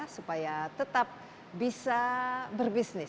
supaya tetap bisa berbisnis